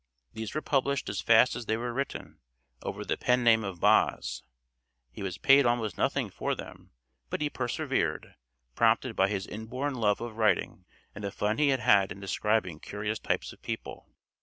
These were published as fast as they were written, over the pen name of "Boz." He was paid almost nothing for them, but he persevered, prompted by his inborn love of writing and the fun he had in describing curious types of people.